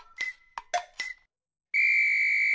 ピッ！